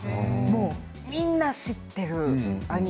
みんな知ってる。